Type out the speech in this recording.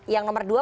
yang nomor dua